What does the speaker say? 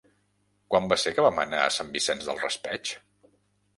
Quan va ser que vam anar a Sant Vicent del Raspeig?